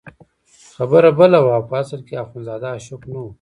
خبره بله وه او په اصل کې اخندزاده عاشق نه وو.